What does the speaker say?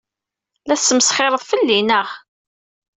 La tesmesxireḍ fell-i, naɣ?